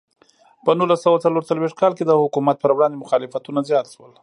په نولس سوه څلور څلوېښت کال کې د حکومت پر وړاندې مخالفتونه زیات شول.